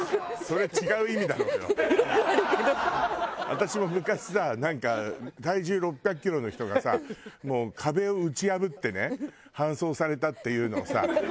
私も昔さなんか体重６００キロの人がさもう壁を打ち破ってね搬送されたっていうのをさ。